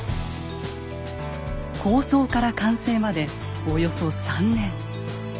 構想から完成までおよそ３年。